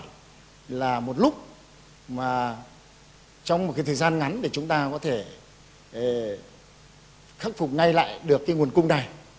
không phải là một lúc mà trong một thời gian ngắn để chúng ta có thể khắc phục ngay lại được cái nguồn cung này